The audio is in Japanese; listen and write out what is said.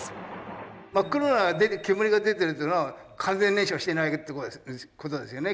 真っ黒な煙が出てるっていうのは完全燃焼してないってことですよね